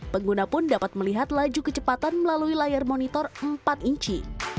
pengguna pun dapat melihat laju kecepatan melalui layar monitor empat inci